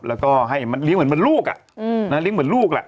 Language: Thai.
แล้วก็ให้มันเลี้ยงเหมือนลูกเลี้ยงเหมือนลูกแหละ